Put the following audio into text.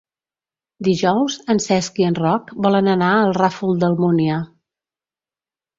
Dijous en Cesc i en Roc volen anar al Ràfol d'Almúnia.